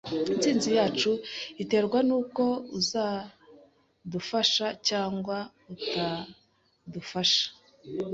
Intsinzi yacu iterwa nuko uzadufasha cyangwa utadufasha.